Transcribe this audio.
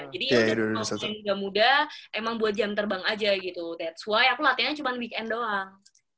jadi kalau yang udah muda emang buat jam terbang aja gitu that s why aku latihannya cuma weekend doang